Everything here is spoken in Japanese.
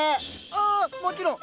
ああもちろん。